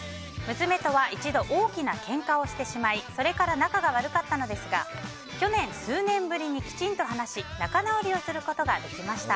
娘とは一度大きなけんかをしてしまいそれから仲が悪かったのですが去年、数年ぶりにきちんと話し仲直りをすることができました。